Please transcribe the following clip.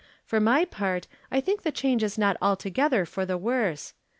For my part, I think the change is not altogether for the worse.